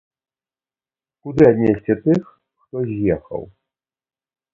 Куды аднесці тых, хто з'ехаў?